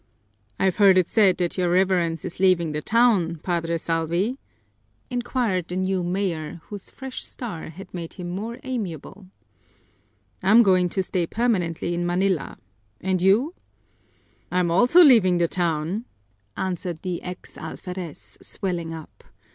"I've heard it said that your Reverence is leaving the town, Padre Salvi?" inquired the new major, whose fresh star had made him more amiable. "I have nothing more to do there. I'm going to stay permanently in Manila. And you?" "I'm also leaving the town," answered the ex alferez, swelling up.